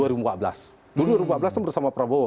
dua ribu empat belas itu bersama prabowo